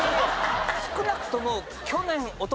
少なくとも。